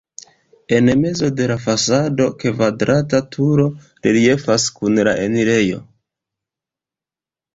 En mezo de la fasado kvadrata turo reliefas kun la enirejo.